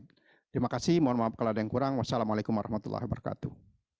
terima kasih mohon maaf kalau ada yang kurang wassalamualaikum warahmatullahi wabarakatuh